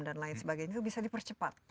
dan lain sebagainya itu bisa dipercepat